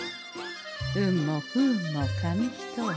運も不運も紙一重。